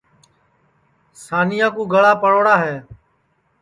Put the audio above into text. سانیا کُو گڑا پڑوڑا ہے